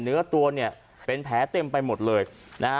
เนื้อตัวเนี่ยเป็นแผลเต็มไปหมดเลยนะฮะ